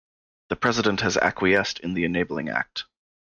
The President has acquiesced in the Enabling Act.